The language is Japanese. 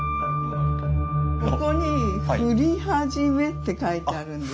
ここに「ふりはじめ」って書いてあるんです。